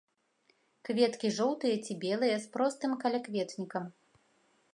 Кветкі жоўтыя ці белыя з простым калякветнікам.